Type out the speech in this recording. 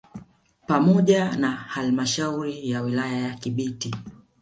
Pamoja na halmashauri ya wilaya ya Kibiti